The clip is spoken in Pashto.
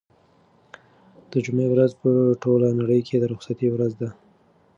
د جمعې ورځ په ټوله نړۍ کې د رخصتۍ ورځ ده.